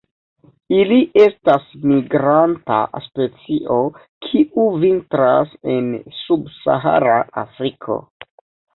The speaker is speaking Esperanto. Ili estas migranta specio, kiu vintras en subsahara Afriko.